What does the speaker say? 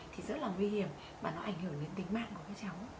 thì rất là nguy hiểm và nó ảnh hưởng đến tính mạng của các cháu